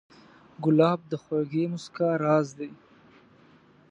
ګلاب د خوږې موسکا راز دی.